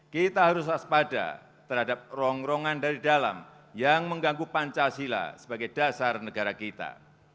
kita harus waspada terhadap rongrongan dari dalam yang mengganggu pancasila sebagai dasar negara kita